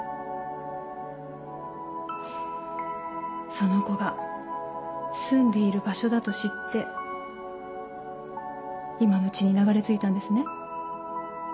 その子が住んでいる場所だと知って今の地に流れ着いたんですね。